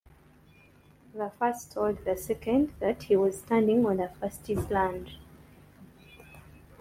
The first told the second that he was standing on the first's land.